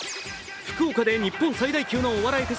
福岡で日本最大級のお笑いフェス